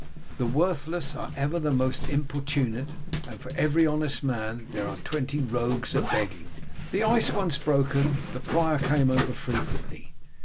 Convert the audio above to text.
The worthless are ever the most importunate, and for every honest man in need there are twenty rogues abegging." The ice once broken, the prior came over frequently.